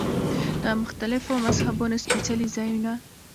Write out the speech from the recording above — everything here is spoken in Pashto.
د مختلفو مذهبونو سپېڅلي ځایونه.